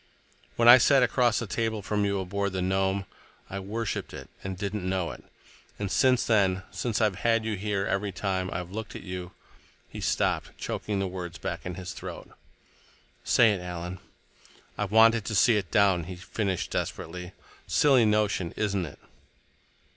"When I sat across the table from you aboard the Nome, I worshiped it and didn't know it. And since then—since I've had you here—every time. I've looked at you—" He stopped, choking the words back in his throat. "Say it, Alan." "I've wanted to see it down," he finished desperately. "Silly notion, isn't it?"